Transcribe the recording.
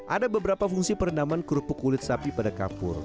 ada beberapa fungsi perendaman kerupuk kulit sapi pada kapur